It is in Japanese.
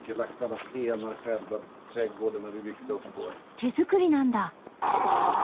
手作りなんだ！